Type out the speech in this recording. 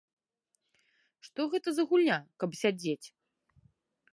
Што гэта за гульня, каб сядзець?